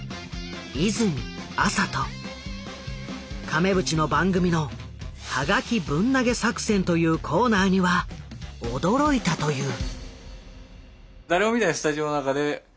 亀渕の番組の「ハガキぶん投げ作戦」というコーナーには驚いたという。